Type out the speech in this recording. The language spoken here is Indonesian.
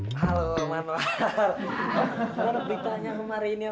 baru beritanya sama mari ini om